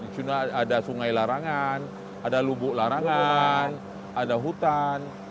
cuma ada sungai larangan ada lubuk larangan ada hutan